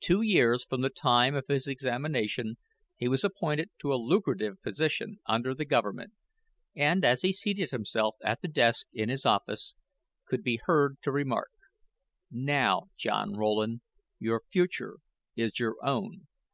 Two years from the time of his examination he was appointed to a lucrative position under the Government, and as he seated himself at the desk in his office, could have been heard to remark: "Now John Rowland, your future is your own.